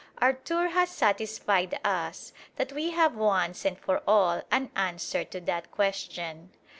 Our tour has satisfied us that we have once and for all an answer to that question.